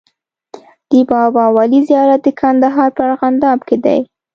د بابا ولي زيارت د کندهار په ارغنداب کی دی